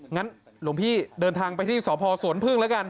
งั้นหลวงพี่เดินทางไปที่สพสวนพึ่งแล้วกัน